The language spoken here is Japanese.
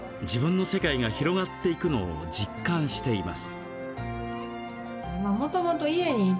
自分の世界が広がっていくのを実感しています。